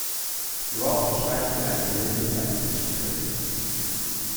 Robb schreibt sie eine Serie Science-Fiction-Krimis.